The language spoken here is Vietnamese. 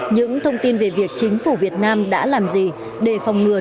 những thông tin về việc chính phủ việt nam đã làm gì để phòng ngừa